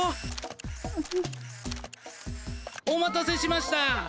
お待たせしました。